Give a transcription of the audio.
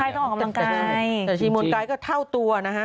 ใช่ต้องออกกำลังกายแต่ชีมวลกายก็เท่าตัวนะฮะ